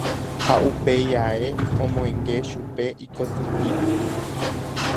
Ha upéi ae omoinge chupe ikoty'ípe.